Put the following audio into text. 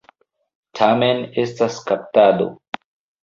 Tamen estas kaptado.